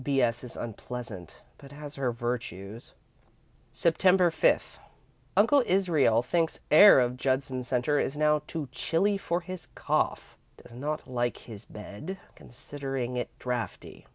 B. S. is unpleasant, but has her virtues. "Sept. 5. Uncle Israel thinks air of Judson Centre is now too chilly for his cough. Does not like his bed, considering it drafty.